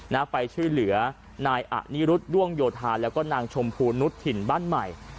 นายอะนิรุษด้วงโยทานและนางชมพูนุษย์ถิ่นบ้านใหม่